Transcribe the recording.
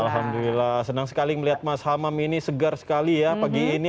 alhamdulillah senang sekali melihat mas hamam ini segar sekali ya pagi ini